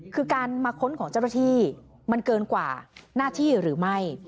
คือการมาค้นของเจ้าหน้าที่มันเกินกว่าหน้าที่หรือไม่